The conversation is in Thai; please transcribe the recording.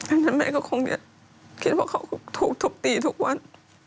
อันนั้นแม่ก็คงจะคิดว่าเขาถูกทุบตีทุกวัน